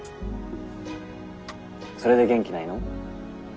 それで元気ないの？